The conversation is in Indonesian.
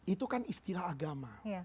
itu kan istilah agama